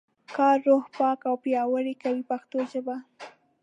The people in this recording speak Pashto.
کار روح پاک او پیاوړی کوي په پښتو ژبه.